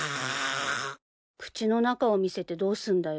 口の中を見せてどうすんだよ。